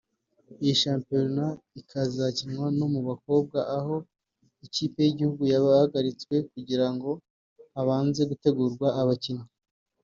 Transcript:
Iyi shampiyona izakinwa no mu bakobwa aho nabo ikipe y’igihugu yahagaritswe kugira ngo habanze gutegurwa abakinnyi